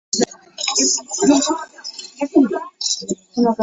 各层楼皆装设火灾自动警报设备。